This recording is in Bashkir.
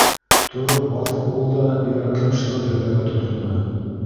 Тороп баҫып ул да йөрәкһеп шиғыр һөйләргә тотондо: